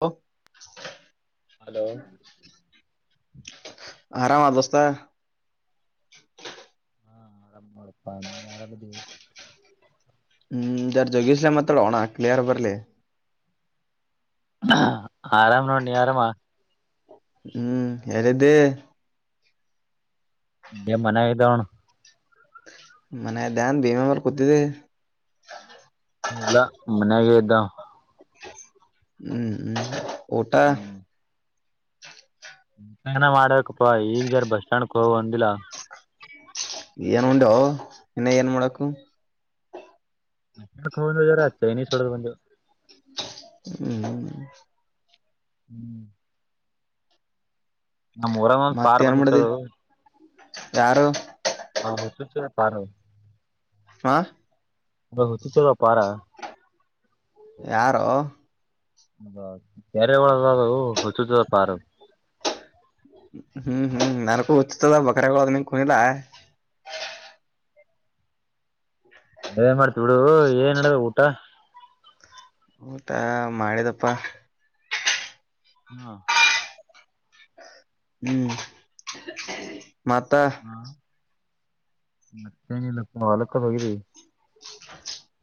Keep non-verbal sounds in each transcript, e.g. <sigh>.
ಒ hello ಆರಾಮ ದೋಸ್ತ ಹಾ ಆರಾಮಳಪ ಆರಾಮತಿ ಹ್ಮ್ ಇದಾರ್ ಜಗಷ್ಿಲ್ಲ ಮ ಮಾತ್ರಳ ಹೋಣಾ ಕ್ಲಿಯರ್ ಬರಲೇ ಆರಾಮ ನ ನೀ ಆರಾಮ ಹ್ಮ್ ಹೇಳಾರಿದ್ದೇ ಇದೇ ಮನ್ಾಗ್ದಾವಣ ಮನೆ ದ್ಯಾನ್ ಭೀಮೆ ಬರ್ ಕುೂತಿದ್ದ ಇಲ್ಲ ಮನ್ಯಾಗ ಇದ್ದಾವ ಹ್ಮ್ ಹ್ಮ ಟಾ ಾನ ಮಾಡಕಪ್ಪ ಈಗ್ ಜರ ಬಸ್ ಸ್ಟ್ಯಾಂಡ್ಕ್ ಹೋಗ ಬಂದಿಲ್ಲ ಏನ್ ಉಂಡೋ ಇನ್ನ ಏನ್ ಮಾಡಕು ರ ಚೈನಸ್ಡೋದು ಬಂದು ಹ್ಮ್್ಮ ಹ್ಮ್ ನಮ್ಮ ಊರಂದ ಒಂದ ಪಾರ್ ಮತ್ತ ಏನ್ ಮಾಡಿದಿ ಬಂದಿತ್ತುದು ಯಾರು ಸ ಪಾರ ಹಾ ಹತ್ತುತಲ್ಲ ಪಾರಾ ಯಾರೋ ಅದ ಕೆರೆ ಒಳದದು ಹಸ ಪಾರ ಹ್ಮ್ ಹ್ಮ್ ನಲ್ಕು ಹಚ್ತದ ಬಕ್ರಾಗ ಅದ್ ನಿ ಕುನಿಲ್ಲ ನಡವೆ ಮಾಡ್ತಿ ಬಿಡು ಏನ್ ನಡವ ಊಟ ಊಟಾ ಮಾಡಿದಪ್ಪ ಹ್ಮ ಹ್ಮ್ ಮಾತಾ ನತ್ತ ನೀ ಲಕ್ಕ ಲಕ್ಕ ಹೋಗ ರ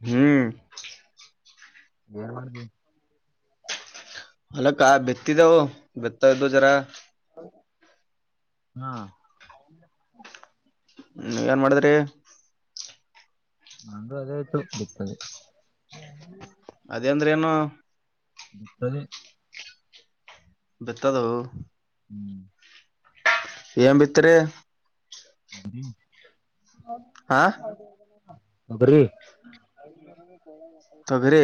ಹ್ಮ್ ಏನ್ ಮಾಡ್ದ ಅಲ್ಲಕ್ಕ ಬಿತ್ತಿದ್ದವು ಬೆತ್ತಾ ಇದ್ದು ಜರ ಹ್ಮ ಹ್ಮ್ ಏನ್ ಮಾಡಿದ್ರಿ ನಂದು ಅದೆ ಆಯ್ತು ಬಿಪ್ಪದೆ ಅದೇ ಅಂದ್ರೆ ಏನು ತ್ತಲ್ಲಿ ಬೆತ್ತದವು ಹ್ಮ್ ಏನ್ ಬಿತ್ತರಿ ಹ ಹಾ <unintelligible> ಒಬರೀ ತೊಗರೀ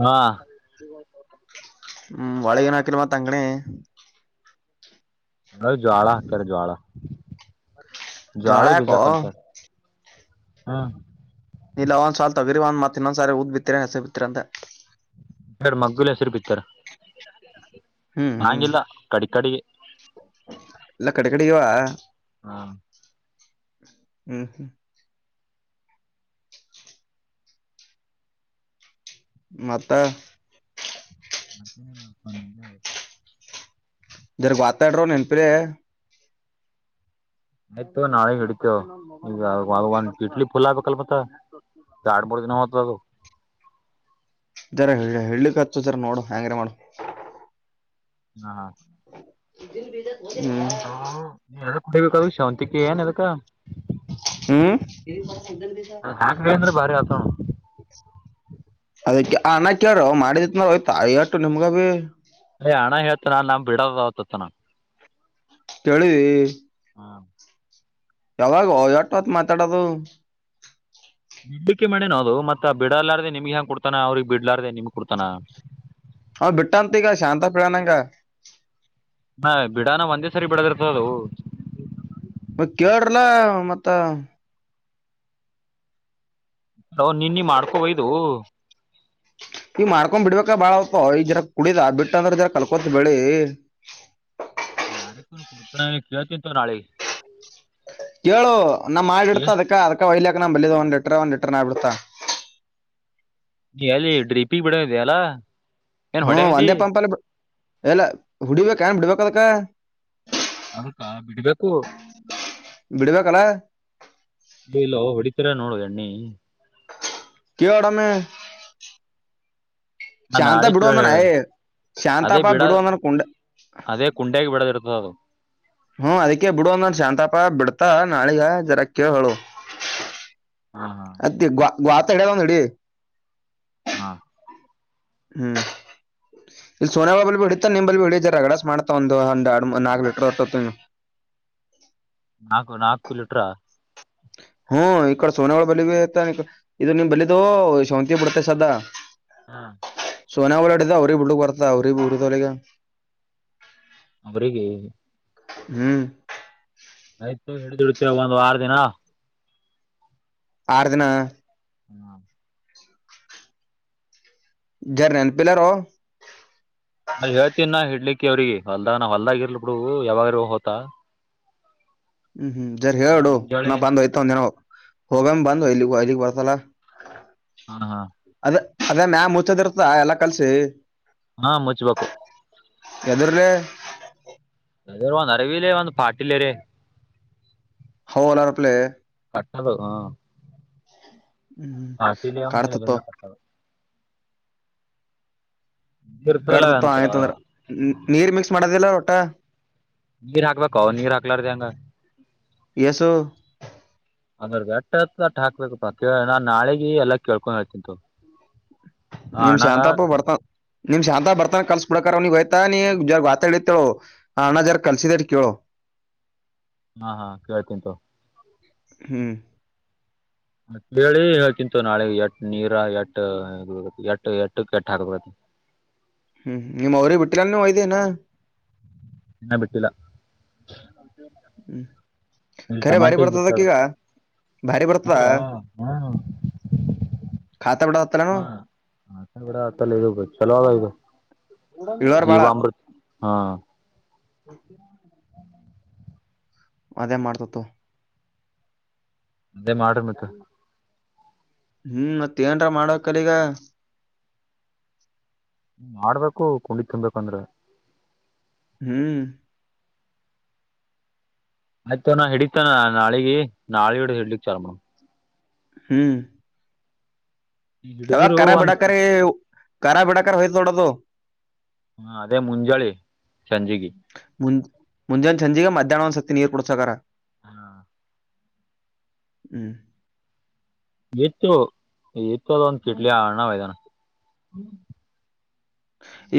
ಹಾ ಹ್ಮ್ ಒಳಗನ್ ಹಾಕಿನ ಮತ್ತ ಅಂಗಣೇ ಜ್ವಾಳ ಹಕಾರೆ ಜ್ವಾಳ ಜ್ವಾಳ ಜ್ವಾಳದ ಬೀಜ ಯಾಕೋ ಕಲ್ಸಕ್ ಹಾ ಇಲ್ಲ ಒಂದ್ವಲ್ ತಗರಿ ಒಂದ್ತ್ ಇನ್ನಂದ ಸಾರಿ ಊದ್ ಬಿತ್ತಿರಾ ಹಸ ಬಿತ್ತೀರಾ ಅಂತ ಎರಡು ಮಗ್ಗಲ ಹೆಸರು ಬಿತ್ತಾರ ಹ್ಮ್ ಹ್ಮ್ ಹಂಗಿಲ್ಲ ಕಡಿ ಕಡೆಗೆ ಎಲ್ಲ ಕಡೆ ಕಡೆ ಆಗೇವ್ ಹಾ ಹ್ಮ್ ಹ್ಮ್ ಮತ್ತ ಮಂದ ದರ ಗೊತಾಡರ ನೆನ್ಪಿರೇ ಆಯ್ತು ನಾಳೆ ಹಿಡಿತೇವ ಈಗ ಒ ಒಂದ ಇಡ್ಲಿ ಫುಲ್ ಆಬೇಕಲ್ ಮತ್ತ ಎಡ ಮೂರು ದಿನ ಹೋತದ ಅದು ಇದರ ಹಳಕ್ ಹತದರ ನೋಡು ಹಂಗಾರ ಮಾಡು ಹಾ ಹ್ಮ್ ಎದಕ್ ಕುಡಿಬೇಕ ಅದು ಶಾವಂತಿಕ ಏನ್ ಅದಕ್ಕ ಹ್ಮ್ ಹಾಕ್ಲಿ ಅಂದ್ರೆ ಭಾರಿ ಆತ ನೋಡ ಅದಕ್ ಆ ಅಣ್ಣ ಕೆಲರೋ ಮಾಡಿದತ್ ನತಾಯ ಅಟ್ಟು ನಿಮ್ಗ ಬಿ ಅಯ ಅಣ್ಣ ಹೇಳ್ತ ನ ನಮ್ ಬಿಡದಾವತತ್ತನ ಕೇಳಿವಿ ಯಾವಾಗ ಎಟ್ಟ ವತ್ ಮಾತಾಡೋದು. <unintelligible> ನೋದು ಮತ್ತತ್ ಬಿಡಲಾರ್ದದೆ ನಿಮ್ಗೆ ಹೆಂಗ ಕೊಡ್ತಾನ ಅವ್ರಿಗೆ ಬಿಡ್ಲಾರ್ದ ನಿಮ್ಗೆ ಕೊಡ್ತಾನ ಅವ ಬಿಟ್ಟಂತ ಈಗ ಶಾಂತಪ ಹೇಳೆನ್ ಈಗ ಹಾ ಬಿಡಾನ ಒಂದೇ ಸರಿ ಬಿಡದಿರ್ತ ಅದವು ಮ ಕೇಳರಲ್ಲಾ ಮತ್ತ ಅವ ನಿನ್ನೀ ನೀ ಮಾಡ್ಕೊಬಯದು ಈ ಮಾಡ್ಕೊಂಡ್ ಬಿಡ್ಬೇಕ ಬಾಳ ಅಪ್ಪ ಈ ಜರ ಕುಡಿದ ಬಿಟ್ಟ ಅಂದ್ರ ಜರ ಕಲ್ಕೋತ್ ಬೆಳಿ ಯಾರ ಕರ ಕೊಡ್ತ ಕೇಳಿತೋರಿ ಆಳಿಗೆ ಕೇಳು ನಾ ಮಾಡಿ ಇಡ್ತ ಅದಕ್ಕ ಅದಕ ಹೊಯಲೇ ನಮ್ ಬಳಿದ ಒಂದ್ ಲಿಟರ್ ಒಂದ್ ಲಿಟರ್ ನಬಿಡ್ತ ನೀ ಎಲ್ಲಿ ಡ್ರಿಪಿಂಗ ಬಿಡ ಇದಲ್ಲಾ ಹ್ಮ ಒಂದೇ ಪಂಪ ಅಲ್ಲಿ ಎಲ್ಲ ಹುಡಿಬೇಕ ಏನ್ ಬಿಡ್ಬೇಕದಕ ಹಕ್ಕಾ ಬಿಡ್ಬೇಕು. ಬಿಡ್ಬೇಕಲ್ಲ ಇ ಇಲ್ಲೋ ಹೊಡಿತೀರ ನೋಡ್ ಯಣ್ಣಿ ಕಿವುಡನ ನಾ ಶಾಂತ ನಾಳೆ ಕೇಳಿ ಬಿಡುುವಂದನ ಯ ಅದೇ ಶಾಂತಾಪಾ ಬಿಡ ಬಿಡುುವಂದನ ಕುಂಡ ಅದೇ ಕುಂಡೆಗೆ ಬಿಡದಿ ಇರ್ತ ಅದು ಹ್ಮ ಅದಕ್ಕೆ ಬಿಡು ಒಂದ ಶಾಂತಪ ಬಿಡ್ತಾ ನಾಳಿಗ ಜರ ಕೆಳಿ ಹೇಳು ಹಾ ಹಾ ಅತ್ತ ಗ್ ಗ್ವಾತ ಎಡ ತಂದುಡಿ ಹಾ ಹ್ಮ್ ಇಲ್ಲಿ ಸೋನ ಬಬಲ್ ಬಿಡಿತ ನಿಮಲ್ಲಿ ಬಿಡಿದ ರಗಡಸ್ ಮಾಡ್ತ ಒಂದು ಒಂದ್ ಅ ನಾಕಕ್ ಲೀಟರ್ ಹೊಟ್ಟ ನೀ ನಾಕು ನಾಲ್ಕು ಲಿಟ್ರಾ ಹ್ಮ ಈ ಕಡೆ ಸೋನಗಡ ಬಲಿತ ಇದು ನಿಮ್ ಬಲಿದು ಶಾಂತಿ ಬಿಡ್ತೈ ಸದಾ ಹಾ ಸೋನ ಓಲಾಡಿದ ಅವ್ರಿ ಬಿುಡ್ಗ್ ಬರ್ತ ಅವ್ರಿ ಭ ಊರದ ಅವಳಗ ಅವ್ರೇಗೆ ಹ್ಮ್ ಆಯ್ತು ಹಿಡಿದುಿಡತವೆ ಒಂದು್ ವಾರ ದಿನ ಆರು ದಿನ ಹ್ಮ ಜಾರ ನನ್ನ ಪಿಿಲ್ಲಾರ ಅ ಹೇಳ್ತನ್ ನ ಹಿಡ್ಲಿಕ್ಕೆ ಅವ್ರಿಗೆ ಹೊಲ್ದಾಗ ನಾ ಹೊಲ್ದಾಗಿ ಇರ್ಲಿ ಬಿಡು ಯಾವಾಗ ಹೊತ್ತಾ ಹ್ಮ್ ಹ್ಮ್ ಜರಿ ಹೇಳಡು ಮುಂಜಾನೆ ನಾ ಬಂದ್ಯ್ತ ಒಂದ ದಿನವ ಹೋಗಾಮ ಬಂದು ಇಲ್ಲಿ ಲಿಗ್ ಬರ್ತಲ್ಲ ಹಾ ಹಾ ಅದ ಅದೇ ಮ್ಯ ಮುಚ್ಚದ್ ಇರ್ತ ಎಲ್ಲಾ ಕಲ್ಸಿ ಹಾ ಮುಚ್ಬೇಕು ಎದರಲ್ಲ ಅ ಒಂದು ಅರವಿಲ್ಲ ಒಂದು ಪಾಟಿಲ್ಲರ ಹೌ ಅಲಾರಪ್ಲೆ ಅದು ಹ ಹ್ಮ್ ಒಂದು ಕತತ್ತು ಎದರ್ಲೆ ಕಟ್ಟದು ಇರ್ತಲ್ಲ ಕಡದತ್ತು ಅಂತರ ಆಯ್ತ ಅಂದ್ರ ನೀರ್ ಮಿಕ್ಸ್ ಮಾಡದಿಲ್ಲ ಊಟ ನೀರ್ ಹಾಕ್ಬೇಕ ನೀರ್ ಹಾಕ್ಲಾರ್ದ ಹಂಗ ಎಸು ಅಂದ್ರ ಹಾಕ್ಬೇಕಪ್ಪ ನಾನ್ ನಾಳೆಗ ಎಲ್ಲ ಕೇಳ್ಕೊಂಡ ಹೇಳ್ತಿಂತ ನಿಮ ಶಾಂತಾಪ್ಪ ಬರ್ತ ನಿಮ್ ಶಾಂತ ಬರ್ತಾನ ಕಲ್ಸ್ ಬಿಡಕ ಅವ್ ನೀಗ್ ಹಯತಾ ನೀ ಜ ಬತಾ ಹೇಳತೇಳೋ ಆ ಅಣ್ಣ ಜರ ಕಲ್ಸಿದರ್ ಕೇಳು ಹಾ ಹಾ ಕೇಳತಂತ ಹ್ಮ್ ಮ ಹೇಳಿ ಹೇಳ್ತಿಂತು ನಾಳೆ ಎಟ್ ನೀರ ಎಟ್ಟ ಎಟ್ಟ ಎಟ್ಟ ಕೆಟ್ಟ ಹಾಕಬಿಡತ್ತೆ <inaudible> ಹ್ಮ್ ನಿಮ್ ಅವ್ರೇ ಬಿಟ್ಟಿಲ್ಲ ಒಯ್ದೇನಾ ಹಿನಾ ಬಿಟ್ಟಿಲ್ಲ ಹ್ಮ್ ಇಲ್ಲಿ ಕರಿ ಭಾರಿ ಟಮಾಟಿಗೆ ಬಿಟ್ಟಾರ ಪಡ್ತದಕ್ಕಗ ಭಾರಿ ಪಡ್ತ ಮೂರಾ ಹಾಂ ಾತಾ ಬಡ ಹ ಆತ ಕೂಡ ಆತಲ್ಲ ಇ ಚಲೋ ಆ ಇದು ಇಳೋರ್ ಬಾಳ ಜೀವಾಾಮೃತ ಹಾ ಅದೇ ಮಾಡ್ತತ್ತು ಅದೇ ಮಾಡ್ರ ಮತೇ ಹ್ಮ್ ಮತ್ತ ಏನ್ರ ಮಾಡೋಕರಿಗ ಮಾಡ್ಬೇಕು ಕುಂಡಿ ತಿುನ್ಬೇಕಂದ್ರೆ ಹ್ಮ್ ಆಯ್ತಣಾ ಹಿಡತಾನ ನಾಳೆಗೆ ನಾಳೊಡ ಹಿಡ್ಲಿಕ್ ಚಲ ಮಡಮ್ ಹ್ಮ್ ಈಗ ಕೆಲ್ಲ ಹಿಡಿದಿರು ಒಂದು ಕರಾಬಟಾಕರಿ ಕರಾಬಟಾಕ ಹಯ್ತೋಡದು ಹ್ಮ ಅದೇ ಮುಂಜಳಿ ಸಂಜಿಗೆ ಮುಂಜಾನ್ ಸಂಜೆಗ ಮಧ್ಯಾಹ್ ಒ್ ಸತ್ತತಿ ನೀರ್ ಕುಡ್ಸಕರ ಹಾ ಹ್ಮ್ ಎತ್ತು ಎತ್ತು ಅದೊಂದು ಕಿಡ್ಲಿ ಅಣಯ್ದಾನ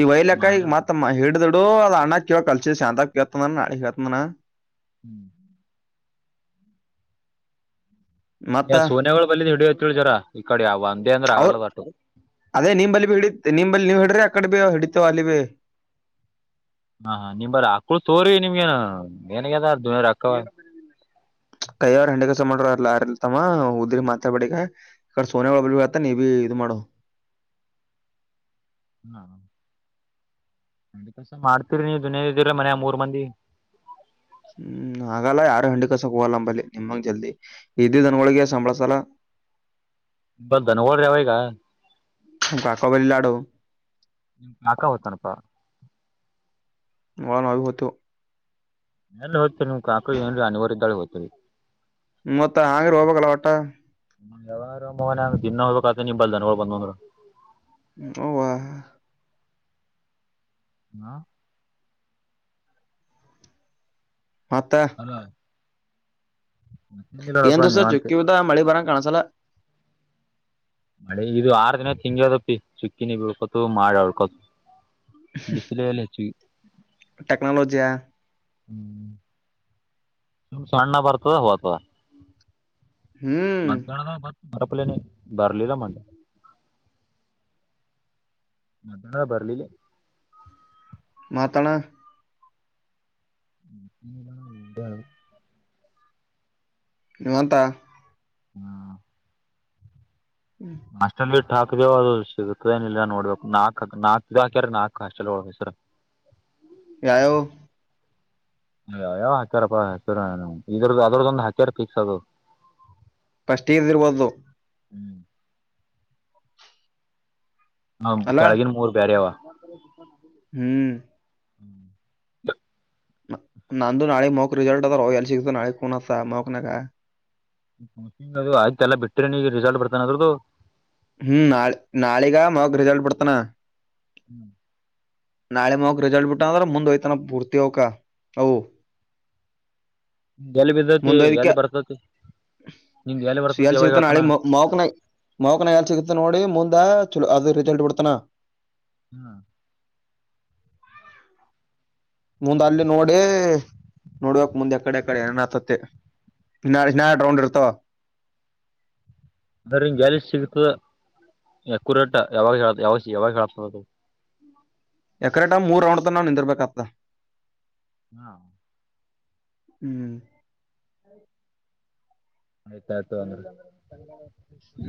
ಈ ವೈಲಕಾಯಿ ಮಾತಮ್ಮ ಹೇಳಿಡಿದಳ ಹಡು ಅ್ ಅ್ಣ ಕ ಕಲ್ಸಿಸಿ ಶಂತೇತನ ನಳಿ ಹೇತನಾನ ಹ್ಮ್ ಮತ್ತ ಸೋನನೆಗಳು ಬಲ್ಲಿ ನಡೋತ್ತತಿಳಿ ಜರ ಈ ಕಡೆ ಯಾವ ಒಂದೇ ಅಂದ್ರೆ ಅವ ಆಗಲ್ಲ ಅದು ಅಷ್ಟು ಅದೇ ನಿಂಬಲ್ಲಿ ಬಿ ಹಿಡ ನಿಂಬಲ್ಲಿ ನೀ ಹ ಆಕಡ ಬ ಹಿಡಿತ ವಲಿವೆ ಹ ಹ ನಿಮರ ಅಕ್ಳ ತೋರ್ ನಿಮಗೇನ್ ಏನಗ್ಯದ ದಕ್ಕವ ಕೈಯವಾರ ಹೆಂಡೆ ಕೆಲಸ ಮಾಡೋರ್ ಯಾರ್ ಇಲ್ಲ ತಮ್ಮ ಹುದ್ರಿ ಮಾತಾಡ್ ಬೇಡ ಇಗ ಸೋನ ಒಳತ್ತ ನೀ ಬಿಿ ಮಾಡೋ ಹಾ ಅದಸ ಮಾಡ್ತೀರಿ ನೀ ದುನಿಯ ಇದ್ದೀರಿ ಮನ್ಯ ಮೂರ್ ಮಂದಿ ಹ್ಮ್ ಹಾಗಲ್ಲ ಯಾರ ಹಂಡಿ ಕಸಕ್ ಹುವಲ್ಲಂಬಲ್ಲಿ ನಿಮಂಗ ಜಲ್ದಿ ಇದ ದನಗಳಗೆ ಸಂಬಳಸಲ್ಲ ಭ ಧನಗೋಲ್ ಅವ ಈಗ ಕಾಕ ಬ ಲಾಡು ನಿಮ ಕಾಕ ಹೊತನಪಾ <inaudible> ಎಲ್ಲ ಹೋತಿರಿ ನೀಮ್ ಕಾಕ್ ಏನ್ರಿ ಅನವಾರ ಇದ್ದಾಳೆ ಹದ್ತರಿ ಮೊತ್ತ ಆಗರು ಹೊಗ ಬೇಕಲ ವಟ ಯಾವಾರ ಮನ ದಿನ ಹೋಗಬೇಕತ ನಿ ಬಲ್ ದನ ಬಂದ್ ಅಂದ್ರರು ಓ ವಾ ಹಾ ಮತ್ತ ಅಲ್ಲ ಮತ್ತೇನಿಲ್ಲ ಏನ್ ನೋಡಪ್ಪ ದಸ ನಿವಾಂತ ಚುಕ್ಕುದ ಮಳಿ ಬರ ಕಾಣಸಲ್ಲ ಮಳೆ ಇದು ಆರು ದಿನ ತಿಂಗಿ ಅದಪ್ಪಿ ಚುಕ್ಕಿನಿ ಬಳ್ಕೊತು ಮಾಡ ಉಳ್ಕೊತ ಬಿಸಿಲಲ್ಲ ಹೆಚ್ಚು ಟೆಕ್ನಾಲಜಿಯಾ ಹ್ಮ್ ಸು ಸಣ್ಣ ಬರ್ತದ ಹೋತದ ಹ್ಮ್ ಮರಪಲೆನೆ ಬರ್ಲಿಲ್ಲ ಮಟ ಮದಾನ ಬರಲಿಲ್ಲ ಹತ್ತನ ಹ್ಮ ಹ ನಿಮ್ಮಂತ ಹ್ಮ ಅಷ್ಟೊಂದು ಬಿಟ್ಟ ಹಾಕದೇವು ಅದು ಸಿಗುತ್ತತದ ಏನಿಲ್ಲಾ ನೋಡ್ಬೇಕ ನಾಕಕ್ ನಾಕೆ ಹಾಕ್ಯ್ರ ನಾಕಕ್ ಅಷ್ಟಲ್ಲಿ ಹ ಸರ್ ಹ್ಮ ಯಾವ್ ಯಾವು ಯಾವ ಹಚಾರಪ್ಪ ಹಚ್ಚಾರ ಇದ್ರ್ದ ಅದ್ರದ್ದೊಂದು ಹಚಾರ ಫಿಕ್ಸ್ ಅದು ಫಸ್ಟ್ ಇಸಿ ಇರ್ಬೋದು ಹ್ಮ್ ಹ ಅಲ್ಲ ಕೆಳಗಿನ ಮೂರ್ ಬೇರೆ ಅವ. ಹ್ಮ್ <unintelligible> ನಂದು ನಾಳಿಗ ಮೋಕ್ ರಿಸಲ್ಟ್ ಅದಾವ ರೋ ಎಲ್ಲಿ ಸಿಗ್ತಾನ ನಾಳಿಗ ಕೂನ ಅದ ಮೋಕ್ನ್ಯಗ. ಮೂರ ತಿಂಗಳ ಅದು ಆಯ್ತ ಎಲ್ಲ ಬಿಟ್ಟ್ರಿ ನೀ ರಿಸಲ್ಟ್ ಬಿಡ್ತಾನ ಅದ್ರದ್ದದು. ಹ್ಮ್ ನಾಳೆ ನಾಳೆಗ ಮೋಕ್ ರಿಸಲ್ಟ್ ಬಿಡ್ತಾನ. ಹ್ಮ್ ನಾಳೆ ಮಾಕ್ ರಿಸಲ್ಟ್ ಬಿಟ್ಟ ಅಂದ್ರ ಮುಂದ್ ಹೋಯ್ತಾನ ಪೂರ್ತಿ ಅವಕ ಅವು- ಎಲ್ಲಿ ಬಿದ್ದತಿ ಎಲ್ಲಿ ಬರ್ತತಿ. ನಿಂಗ್ ಎಲ್ಲಿ ಸಿಗಲಿ ಯಾವಾಗ ಸಿಗತೇನಿ ಹೇಳ್ತಾನ ನಾಳಿಗ ಮಾಕ್ ಮೋಕ್ನ್ಯಗ ಮೋಕ್ನ್ಯಗ ಸಿಗತೇನಿ. ನೋಡಿ ಮುಂದ ಚಲೋ ಅದು ರಿಸಲ್ಟ್ ಬಿಡ್ತಾನ. ಹಾ. ಮುಂದ ಅಲ್ಲಿ ನೋಡಿ ನೋಡ್ಬೇಕ್ ಮುಂದೆ ಯಾಕಡೆ ಯಾಕಡೆ ಏನ ಆತತಿ. ಇನ್ಯಾಡ್ ಇನ್ನ ಎರಡ್ ರೌಂಡ್ ಇರ್ತವ. <inaudible> ಅಂದ್ರ ನಿಂಗ ಇಲ್ಲಿ ಸಿಗತದ ಯಕ್ಯುರೇಟ್ ಯಾವಾಗ ಹೇಳ ಯಾವ ಯಾವಾಗ ಹೇಳತದ ಅದು ಏಕ್ರೇಟ ಮೂರ್ ರೌಂಡ ತನ ನಿಂದರ್ ಬೇಕಾಗ್ತದ. ಹಾ. ಹ್ಮ್. ಆಯ್ತಾಯ್ತು ತೊಗೊ ಹಂಗರ್.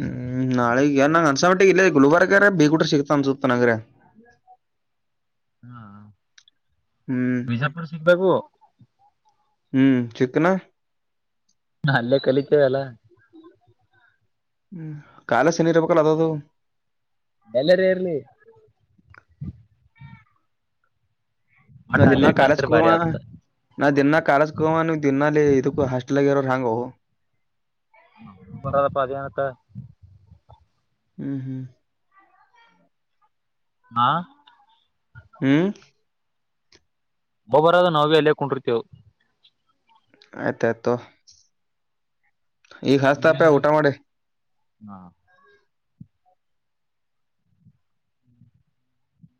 ಹ್ಮ್ ನಾಳೆಗ್ ಯಾರ ನಂಗ ಅನ್ಸಟ್ಟೆ ಇಲ್ಲ ಗುಲ್ಬರ್ಗಾರ ಬೇಗೂಟ್ರೆ ಸಿಕ್ತಾ ಅನ್ಸುತ್ತ ನಂಗರ. ಹಾ ಹ್ಮ್ ಬಿಜಾಪುರ ಸಿಗ್ಬೇಕು. ಹ್ಮ್ ಚಿಕ್ಕನಾ ಅಲ್ಲೇ ಕಲಿತೇವೆ ಎಲ್ಲಾ. ಹ್ಮ್ ಕಾಲ ಶನಿ ಇರ್ಬೇಕಲ್ಲ ಅದದು. ಏಲ್ಲರ ಇರ್ಲಿ. ಮಟ್ಟ ನಾವ ದಿನಾ ಅಲ್ಲೇ ಕಾಲೇಜ್ ಕಲ್ತ್ರ ಹೋಗಾವ ಬಾರಿ ಆತದ ನಾವ್ ದಿನ ಕಾಲೇಜ್ಕ್ಕ ಹೋಗಾವ ನೀವು ದಿನ ಅಲ್ಲಿ ಇದಕ್ಕೂ ಹಾಸ್ಟೆಲ್ಗ ಇರೋ ಹೆಂಗೋ <unintelligible> ಅದೇನತ್ತ. ಹ್ಮ್ ಹ್ಮ್. ಹಾ. ಹ್ಮ್. ಒಬ್ಬ ಬರೋದು ನಾವ ಬೀ ಇಲ್ಲೇ ಕುಂದರ್ತೇವು. ಆಯ್ತ ಆಯ್ತು ತೊಗೊ ಈಗ ಹತ್ತಾತ ಊಟಾ ಮಾಡಿ. ಹಾ.